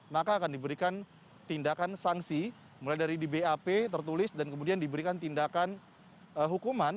maka akan diberikan tindakan sanksi mulai dari di bap tertulis dan kemudian diberikan tindakan hukuman